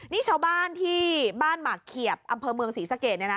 นี่ชาวบ้านที่บ้านหมากเขียบอำเภอเมืองศรีสะเกดเนี่ยนะ